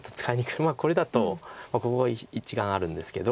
これだとここ１眼あるんですけど。